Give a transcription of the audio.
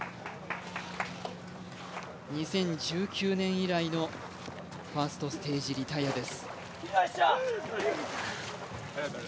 ２０１９年以来のファーストステージリタイアです。